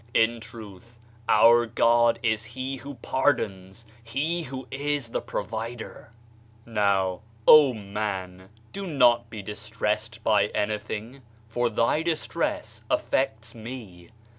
In truth! Our God is he who pardons, he who is the provider! Now, oh, man, do not be distressed by anything, for thy distress affects me!